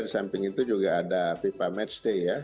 di samping itu juga ada fifa match day ya